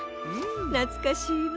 なつかしいわ。